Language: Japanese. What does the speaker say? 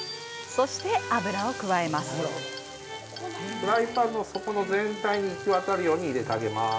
フライパンの底の全体に行き渡るように入れてあげます。